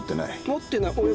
「持ってない」おや？